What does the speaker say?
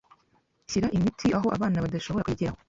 Shira imiti aho abana badashobora kuyigeraho.